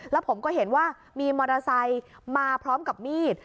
แล้วผมก็เห็นว่ามีมอเตอร์ไซค์มาพร้อมกับมีด